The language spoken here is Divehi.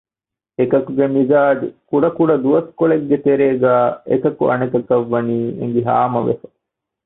އެކަކުގެ މިޒާޖު ކުޑަ ކުޑަ ދުވަސްކޮޅެއްގެ ތެރޭގައި އެކަކު އަނެކަކަށް ވަނީ އެނގި ހާމަވެފަ